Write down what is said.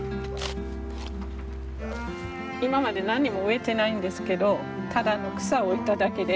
今まで何も植えてないんですけどただの草を置いただけで。